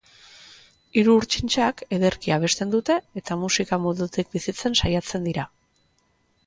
Hiru urtxintxak ederki abesten dute eta musika mundutik bizitzen saiatzen dira.